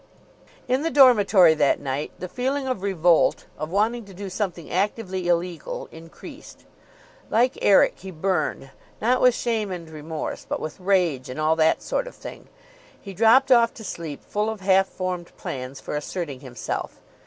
In the dormitory that night the feeling of revolt, of wanting to do something actively illegal, increased. Like Eric, he burned, not with shame and remorse, but with rage and all that sort of thing. He dropped off to sleep full of half formed plans for asserting himself.